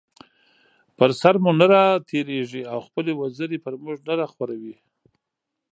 پر سر مو نه راتېريږي او خپلې وزرې پر مونږ نه راخوروي